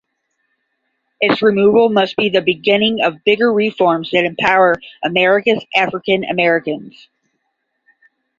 Its removal must be the beginning of bigger reforms that empower America’s African Americans.